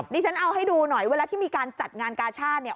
ดิฉันเอาให้ดูหน่อยเวลาที่มีการจัดงานกาชาติเนี่ย